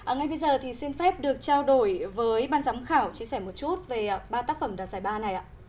ngay bây giờ thì xin phép được trao đổi với ban giám khảo chia sẻ một chút về ba tác phẩm đoạt giải ba này ạ